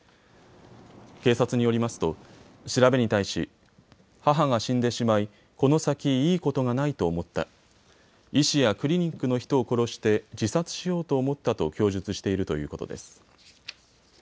警察によりますと調べに対し、母が死んでしまいこの先いいことがないと思った、医師やクリニックの人を殺して自殺しようと思ったと供述しているということです。